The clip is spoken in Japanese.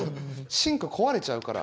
シンク壊れちゃうから。